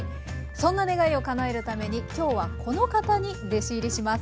そんな願いをかなえるために今日はこの方に弟子入りします。